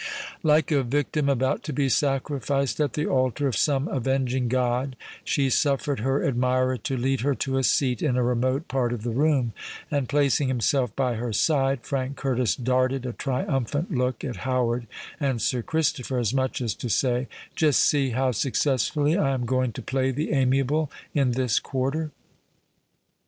Like a victim about to be sacrificed at the altar of some avenging god, she suffered her admirer to lead her to a seat in a remote part of the room; and placing himself by her side, Frank Curtis darted a triumphant look at Howard and Sir Christopher, as much as to say, "Just see how successfully I am going to play the amiable in this quarter."